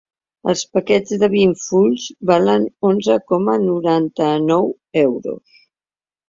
Els paquets de vint fulls valen onze coma noranta-nou euros.